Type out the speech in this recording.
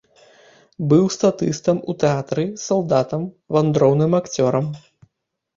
Быў статыстам у тэатры, салдатам, вандроўным акцёрам.